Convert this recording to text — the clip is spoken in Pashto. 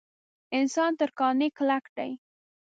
انسان تر کاڼي کلک دی.